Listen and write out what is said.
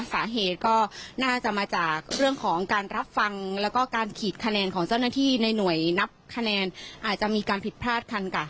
สาเหตุก็น่าจะมาจากเรื่องของการรับฟังแล้วก็การขีดคะแนนของเจ้าหน้าที่ในหน่วยนับคะแนนอาจจะมีการผิดพลาดคันค่ะ